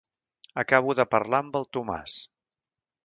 Acabo de parlar amb el Tomàs.